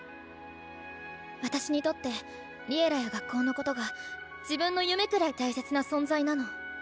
私にとって「Ｌｉｅｌｌａ！」や学校のことが自分の夢くらい大切な存在なの。